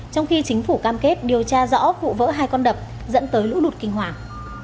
trong khi chính phủ cam kết điều tra rõ vụ vỡ hai con đập dẫn tới lũ lụt kinh hoàng